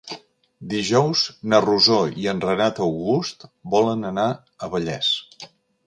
Dijous na Rosó i en Renat August volen anar a Vallés.